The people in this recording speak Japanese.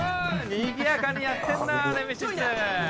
にぎやかにやってんなぁネメシス！